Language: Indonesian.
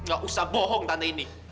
nggak usah bohong tante indy